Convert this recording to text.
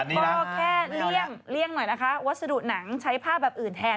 เพราะแค่เลี่ยงเลี่ยงหน่อยนะคะวัสดุหนังใช้ผ้าแบบอื่นแทน